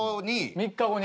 ３日後に？